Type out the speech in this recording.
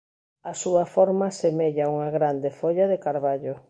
A súa forma semella unha grande folla de carballo.